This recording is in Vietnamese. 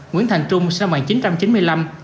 nguyễn thành trung sinh năm một nghìn chín trăm chín mươi năm